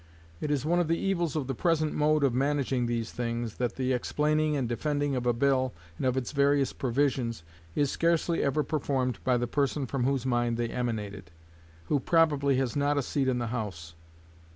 It is one of the evils of the present mode of managing these things, that the explaining and defending of a bill, and of its various provisions, is scarcely ever performed by the person from whose mind they emanated, who probably has not a seat in the House.